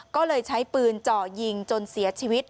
ก็เลยใช้ปืนเจาะยิงจนเสียชีวิต